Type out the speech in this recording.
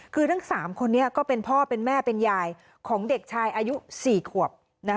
คือทั้ง๓คนนี้ก็เป็นพ่อเป็นแม่เป็นยายของเด็กชายอายุ๔ขวบ